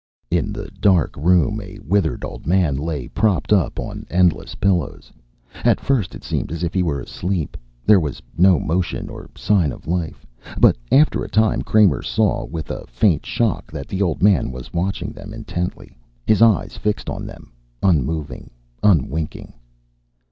In the dark room a withered old man lay, propped up on endless pillows. At first it seemed as if he were asleep; there was no motion or sign of life. But after a time Kramer saw with a faint shock that the old man was watching them intently, his eyes fixed on them, unmoving, unwinking.